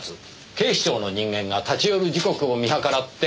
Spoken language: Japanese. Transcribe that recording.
警視庁の人間が立ち寄る時刻を見計らって行った。